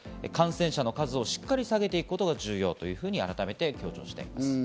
感染者の数をしっかり下げていくことが重要というふうに改めて強調しています。